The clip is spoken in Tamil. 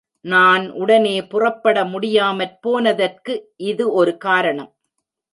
நான் உடனே புறப்பட முடியாமற் போனதற்கு இது ஒரு காரணம்.